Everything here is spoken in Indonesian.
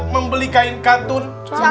membeli kain kantun